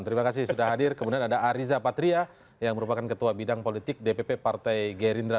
terima kasih sudah hadir kemudian ada ariza patria yang merupakan ketua bidang politik dpp partai gerindra